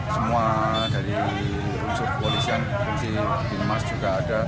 semua dari unsur kepolisian di brimas juga ada